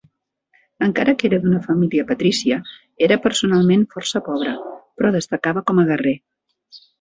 Encara que era d’una família patrícia era personalment força pobre, però destacava com a guerrer.